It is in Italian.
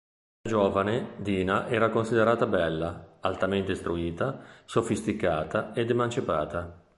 Da giovane, Dina era considerata bella, altamente istruita, sofisticata ed emancipata.